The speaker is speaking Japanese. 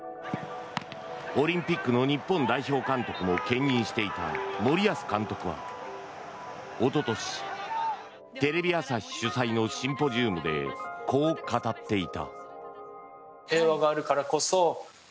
オリンピックの日本代表監督も兼任していた森保監督はおととしテレビ朝日主催のシンポジウムでこう語っていた。